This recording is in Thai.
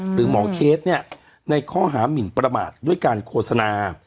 หรือหมอเคสเนี่ยในข้อหามินประมาทด้วยการโฆษณา